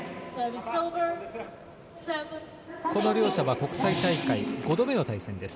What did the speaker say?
両者は国際大会５度目の戦いです。